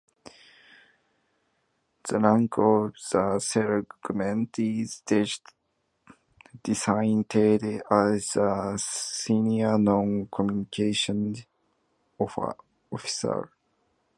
The rank of a sergeant is designated as a senior non-commissioned officer.